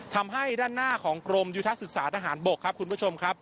ทำให้ด้านหน้าของกรมยุทธศึกษาทหารบกครับคุณผู้ชมครับ